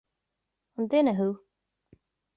An duine thú?